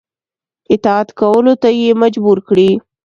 اطاعت کولو ته یې مجبور کړي.